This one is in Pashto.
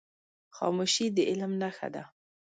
خاموشي، د علم نښه ده.